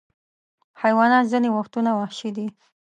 حیوانات ځینې وختونه وحشي دي.